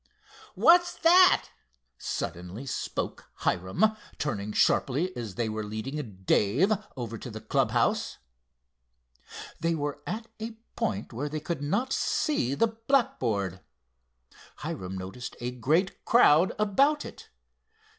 "What's that!" suddenly spoke Hiram, turning sharply as they were leading Dave over to the club house. They were at a point where they could not see the blackboard. Hiram noticed a great crowd about it.